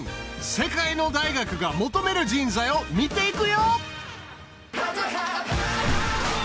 世界の大学が求める人材を見ていくよ！